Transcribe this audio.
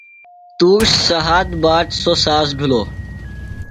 تُوش سھات باد سوۡ ساز بِھلوۡ۔